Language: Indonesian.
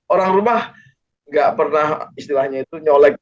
orang rumah gak pernah istilahnya itu nyelek